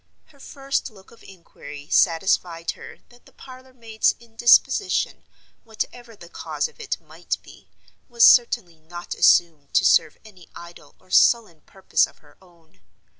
Her first look of inquiry satisfied her that the parlor maid's indisposition, whatever the cause of it might be, was certainly not assumed to serve any idle or sullen purpose of her own.